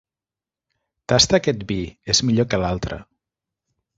Tasta aquest vi: és millor que l'altre.